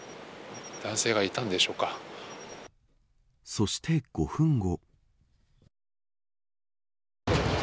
そして５分後。